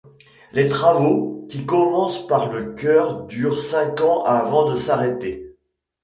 Les travaux, qui commencent par le chœur durent cinq ans avant de s'arrêter.